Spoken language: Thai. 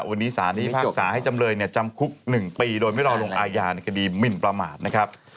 วันนี้สารพิพากษาให้จำเลยจำคุก๑ปีโดยไม่รอลงอาญาในคดีหมินประมาทนะครับ